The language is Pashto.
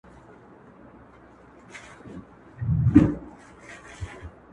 دوی مو د کلي د ډیوې اثر په کاڼو ولي.!